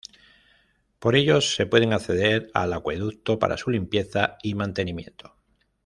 Por ellos se puede acceder al acueducto para su limpieza y mantenimiento.